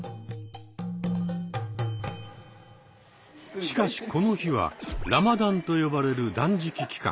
しかしこの日は「ラマダン」と呼ばれる断食期間。